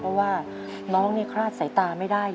เพราะว่าน้องนี่คลาดสายตาไม่ได้เลย